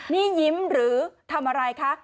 นี่ยิ้มหรือทำอะไรคะ